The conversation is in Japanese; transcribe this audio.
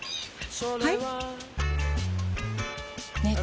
はい！